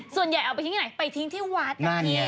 ส่วนใหญ่เอาไปทิ้งไหนไปทิ้งที่วัดแบบนี้